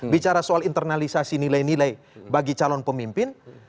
bicara soal internalisasi nilai nilai bagi calon pemimpin